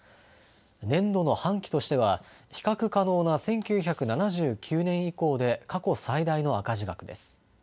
年度の半期としては比較可能な１９７９年以降で過去最大の赤字額です。